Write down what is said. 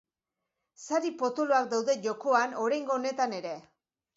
Sari potoloak daude jokoan oraingo honetan ere.